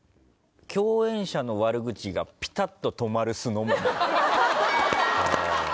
共演者の悪口がピタッと止まる酢のもの。